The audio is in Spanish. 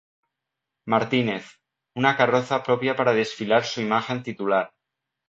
Martínez: una carroza propia para desfilar su imagen titular.